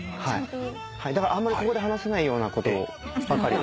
だからあんまりここで話せないようなことばかりを。